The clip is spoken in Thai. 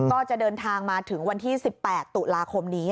ก็จะเดินทางมาถึงวันที่๑๘ตุลาคมนี้